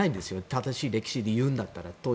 正しい歴史で言うんだったら。